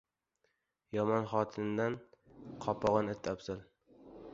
• Yomon xotindan qopag‘on it afzal.